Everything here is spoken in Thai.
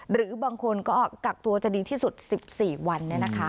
หรือบางคนก็กักตัวจะดีที่สุด๑๔วัน